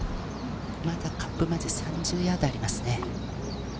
まだカップまで３０ヤードあります。